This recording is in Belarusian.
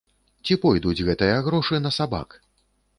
Ці пойдуць гэтыя грошы на сабак?